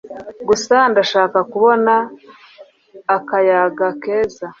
gusa ndashaka kubona akayaga keza